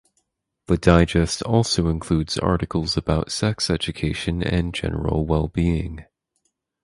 The digest also includes articles about sex education and general well being.